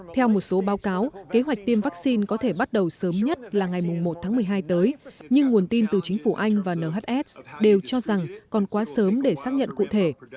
theo một số báo cáo kế hoạch tiêm vaccine có thể bắt đầu sớm nhất là ngày một tháng một mươi hai tới nhưng nguồn tin từ chính phủ anh và nhs đều cho rằng còn quá sớm để xác nhận cụ thể